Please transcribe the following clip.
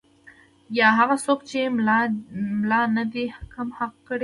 یا هغه څوک چې ملا نه دی کم حق لري.